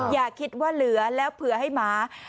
อย่าคิดว่าเหลือแล้วเผื่อให้หมา